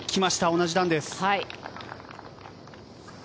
同じ段です。